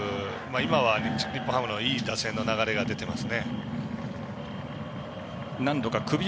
今は、日本ハムのいい打線の流れが出ています。